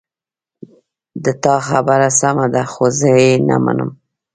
د تا خبره سمه ده خو زه یې نه منم